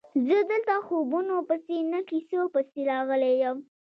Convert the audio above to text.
زه دلته خوبونو پسې نه کیسو پسې راغلی یم.